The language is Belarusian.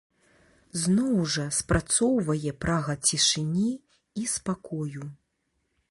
Зноў жа, спрацоўвае прага цішыні і спакою.